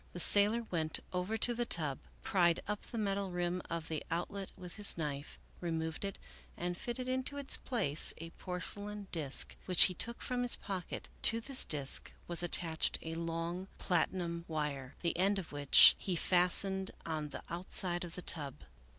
The sailor went over to the tub, pried up the metal rim of the outlet with his knife, removed it, and fitted into its place a porcelain disk which he took from his pocket ; to this disk was attached a long platinum wire, the end of which he fastened on the outside of the tub.